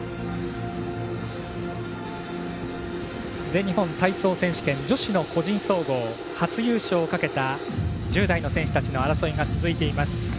全日本体操選手権女子の個人総合初優勝をかけた１０代の選手たちの争いが続いています。